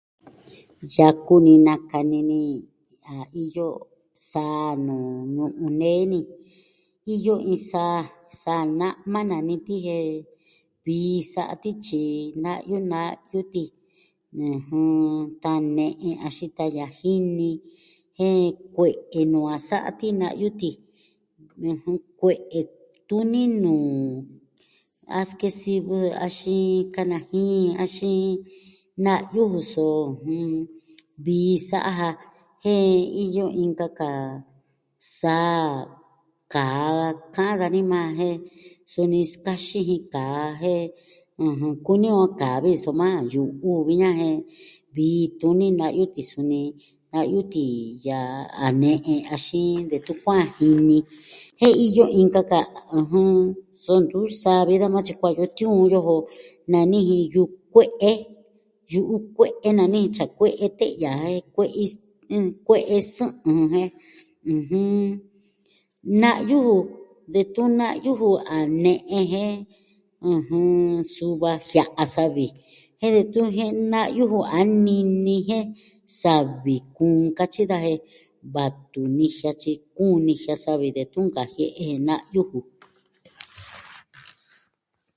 Yaku ni nakani ni a iyo saa nuu ñu'un nee ni. Iyo iin saa, saa na'ma nani ti jen vii sa'a ti tyi na'yu na'yu ti, ɨjɨn, tan ne'e axin tan yajini, jen kue'e nuu a sa'a ti na'yu ti. Kue'e tuni nuu a sikesivɨ axin kanajin, axin na'yu ju so vii sa'a ja jen iyo inka ka saa kaa ka'an dani majan jen suni sikaxin jin kaa jen kuni on a kaa viji soma yu'u ju vi iña jen vii tuni na'yu ti, suni na'yu ti yaa a ne'e axin detun kua'an jini jen iyo inka ka, ɨjɨn, so ntuvi sa'a vi da yukuan tyi kuaa iyo tiuun iyo jo, nani jin yu'u kue'e, yu'u kue'e nani jin tyi a kue'e te'ya ja. Jen kue'e sɨ'ɨn jɨn jen, ɨjɨn. Na'yu ju, detun na'yu ju a ne'e jen su va jia'a savi jen detun na'yu ju a nini jen savi kuun katyi daja, vatu nijia tyi kuun nijia savi detun nkajie'e je na'yu ju.